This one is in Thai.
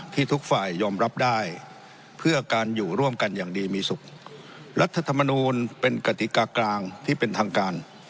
ทุกฝ่ายยอมรับได้เพื่อการอยู่ร่วมกันอย่างดีมีสุขรัฐธรรมนูลเป็นกติกากลางที่เป็นทางการ